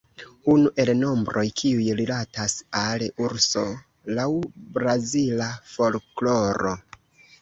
Unu el nombroj kiuj rilatas al urso laŭ brazila folkloro.